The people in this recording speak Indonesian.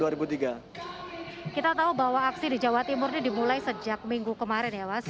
kita tahu bahwa aksi di jawa timur ini dimulai sejak minggu kemarin ya mas